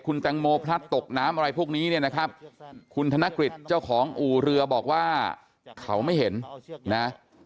คุณแตงโมพลัดตกน้ำอะไรพวกนี้เนี่ยนะครับคุณธนกฤษเจ้าของอู่เรือบอกว่าเขาไม่เห็นนะ